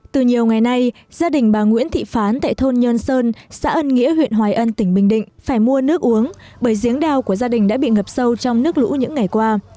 từ nhiều ngày nay gia đình bà nguyễn thị phán tại thôn nhân sơn xã ân nghĩa huyện hoài ân tỉnh bình định phải mua nước uống bởi giếng đào của gia đình đã bị ngập sâu trong nước lũ những ngày qua